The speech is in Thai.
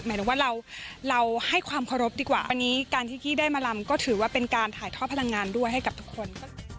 หมายถึงว่าเราให้ความเคารพดีกว่าอันนี้การที่กี้ได้มาลำก็ถือว่าเป็นการถ่ายทอดพลังงานด้วยให้กับทุกคน